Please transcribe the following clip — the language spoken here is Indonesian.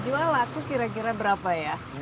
jual laku kira kira berapa ya